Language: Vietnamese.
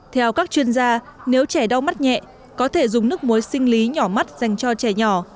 theo các chuyên gia nếu trẻ đau mắt nhẹ có thể dùng nước muối sinh lý nhỏ mắt dành cho trẻ nhỏ